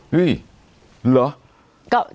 หื้อเหรอ